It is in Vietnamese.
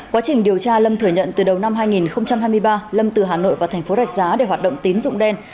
quá trình điều tra lâm thừa nhận từ đầu năm hai nghìn hai mươi ba lâm từ hà nội vào thành phố rạch giá để hoạt động tín dụng đen